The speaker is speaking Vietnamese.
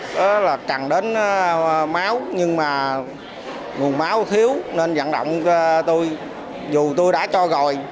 đó là tràn đến máu nhưng mà nguồn máu thiếu nên vận động tôi dù tôi đã cho rồi